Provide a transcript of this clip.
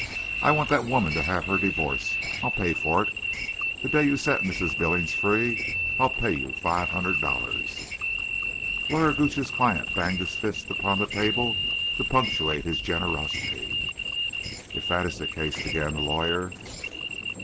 I want that woman to have her divorce. I'll pay for it. The day you set Mrs. Billings free I'll pay you five hundred dollars." Lawyer Gooch's client banged his fist upon the table to punctuate his generosity. "If that is the case—" began the lawyer.